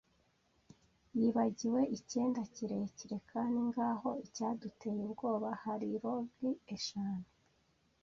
yibagiwe icyenda kirekire; kandi ngaho, icyaduteye ubwoba, hari rogues eshanu